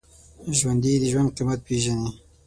ژوندي د ژوند قېمت پېژني